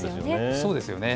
そうですよね。